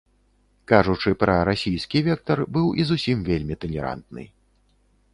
Кажучы пра расійскі вектар, быў і зусім вельмі талерантны.